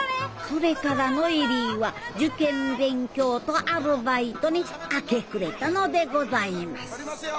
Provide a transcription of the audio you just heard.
それからの恵里は受験勉強とアルバイトに明け暮れたのでございます撮りますよ。